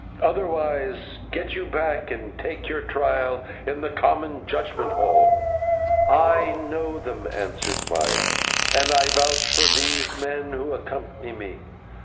"Otherwise get you back and take your trial in the common judgment hall." "I know them," answered Maya, "and I vouch for these men who accompany me.